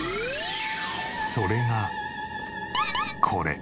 それがこれ。